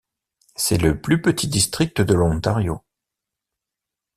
C'est le plus petit district de l'Ontario.